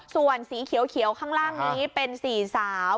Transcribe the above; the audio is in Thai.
ส่วนสีเขียวข้างล่างนี้เป็น๔สาว